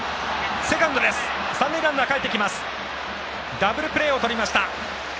ダブルプレーをとりました。